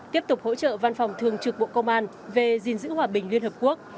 tiếp tục hỗ trợ văn phòng thường trực bộ công an về gìn giữ hòa bình liên hợp quốc